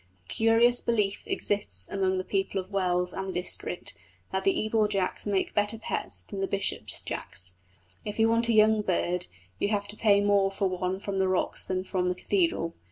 A curious belief exists among the people of Wells and the district, that the Ebor Jacks make better pets than the Bishop's Jacks. If you want a young bird you have to pay more for one from the rocks than from the cathedral.